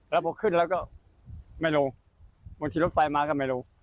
แล้วพอขึ้นแล้วก็ไม่ลงบางทีรถไฟมาก็ไม่ลง